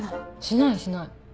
しないしない。